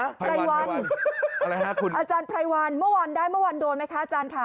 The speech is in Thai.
อาจารย์ไพรวัลอาจารย์ไพรวัลได้เมื่อวันโดนไหมคะอาจารย์คะ